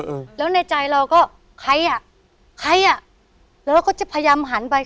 อืมแล้วในใจเราก็ใครอ่ะใครอ่ะแล้วเราก็จะพยายามหันไป